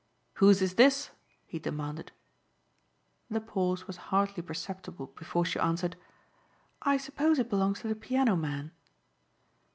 "Who's is this?" he demanded. The pause was hardly perceptible before she answered. "I suppose it belongs to the piano man."